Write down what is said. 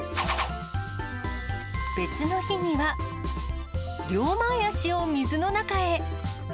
別の日には、両前足を水の中へ。